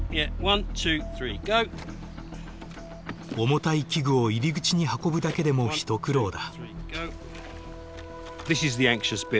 重たい機具を入り口に運ぶだけでも一苦労だ。